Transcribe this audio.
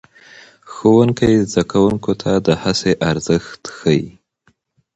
ښوونکی زده کوونکو ته د هڅې ارزښت ښيي